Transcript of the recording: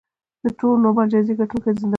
نوبل جایزې ګټونکې زنداني